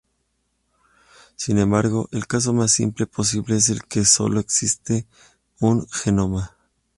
Sin embargo, el caso más simple posible es el que sólo exista un genoma.